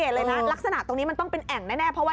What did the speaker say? หลังสวิปนี้ก็ยิ่งกว่าพี่เบิร์ท